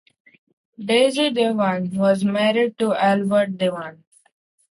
Daisy Devan was married to Albert Devan.